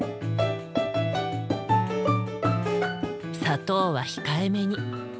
砂糖は控えめに。